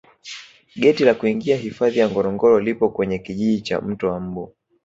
geti la kuingia hifadhi ya ngorongoro lipo kwenye kijiji cha mto wa mbu